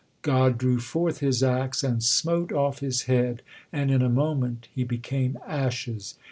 God drew forth His axe and smote off his head, and in a moment he became ashes.